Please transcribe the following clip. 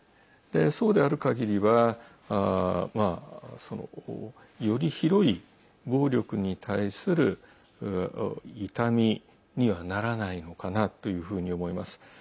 そうであるかぎりはより広い暴力に対する痛みにはならないのかなというふうに思います。